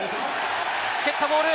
蹴ったボール。